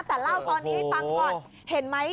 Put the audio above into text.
แต่รับร้านนี้ให้ฟังก็เห็นไหม